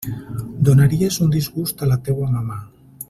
Donaries un disgust a la teua mamà.